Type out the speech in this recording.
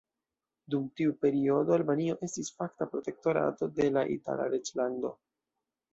Dum tiu periodo Albanio estis fakta protektorato de la Itala reĝlando.